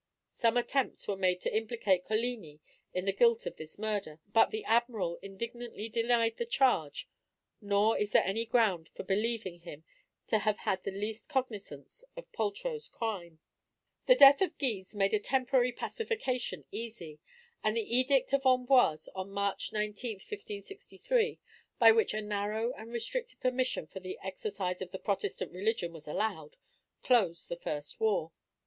Some attempts were made to implicate Coligni in the guilt of this murder, but the Admiral indignantly denied the charge; nor is there any ground for believing him to have had the least cognizance of Poltrot's crime. The death of Guise made a temporary pacification easy; and the edict of Amboise, on March 19, 1563, by which a narrow and restricted permission for the exercise of the Protestant religion was allowed, closed the first war.